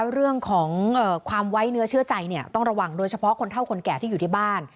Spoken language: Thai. เรื่องของความไว้เนื้อเชื่อใจต้องระวังโดยเฉพาะคนเท่าคนแก่ที่อยู่ที่บ้าน